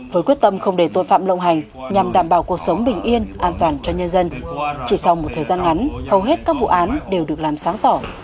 với quyết tâm không để tội phạm lộng hành nhằm đảm bảo cuộc sống bình yên an toàn cho nhân dân chỉ sau một thời gian ngắn hầu hết các vụ án đều được làm sáng tỏ